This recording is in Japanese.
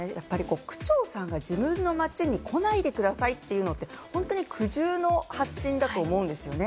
区長さんが自分の街に来ないでくださいというのは、苦渋の発信だと思うんですよね。